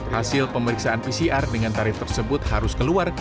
hasil pemeriksaan pcr dengan tarif tersebut harus keluar